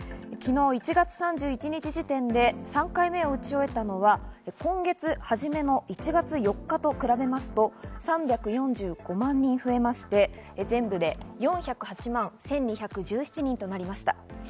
昨日１月３１日時点で３回目を打ち終えたのは今月初めの１月４日と比べますと、３４５万人増えまして、全部で４０８万１２１７人となりました。